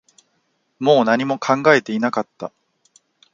もう何も考えていなかった